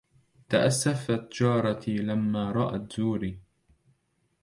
تأسفت جارتي لما رأت زوري